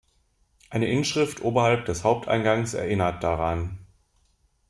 Eine Inschrift oberhalb des Haupteingangs erinnert daran.